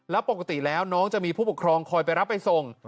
แล้วปกติแล้วน้องจะมีผู้ปกครองคอยไปรับไปส่ง